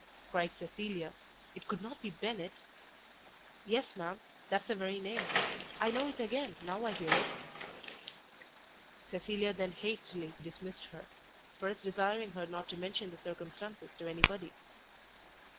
cried Cecilia, "it could not be Bennet?" "Yes, ma'am, that's the very name; I know it again now I hear it." Cecilia then hastily dismissed her, first desiring her not to mention the circumstance to any body.